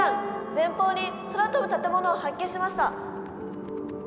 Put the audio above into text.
前方に空飛ぶ建物を発見しました！」。